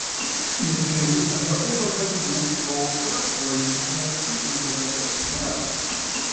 Ihr Fell ist an der Oberseite rotbraun oder gräulich gefärbt, die Unterseite ist heller.